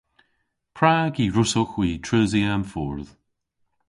Prag y hwrussowgh hwi treusi an fordh?